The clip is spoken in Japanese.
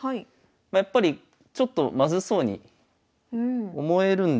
やっぱりちょっとまずそうに思えるんですが。